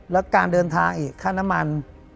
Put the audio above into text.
แล้วการเดินทางอีกค่าน้ำมัน